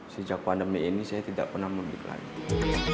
sejak pandemi ini saya tidak pernah mudik lagi